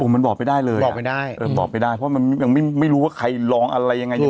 มันบอกไม่ได้เลยเพราะยังไม่รู้ว่าใครรองอะไรยังไง